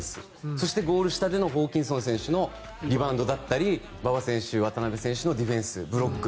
そしてゴール下でのホーキンソン選手のリバウンドだったり馬場選手渡邊選手のディフェンスブロック。